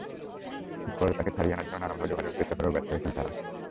পরে তাঁকে ছাড়িয়ে আনার জন্য নানাভাবে যোগাযোগের চেষ্টা করেও ব্যর্থ হয়েছেন তাঁরা।